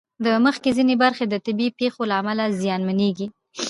د مځکې ځینې برخې د طبعي پېښو له امله زیانمنېږي.